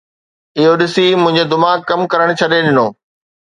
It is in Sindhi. اهو ڏسي منهنجي دماغ ڪم ڪرڻ ڇڏي ڏنو